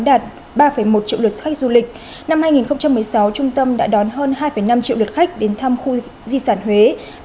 đã được chia sẻ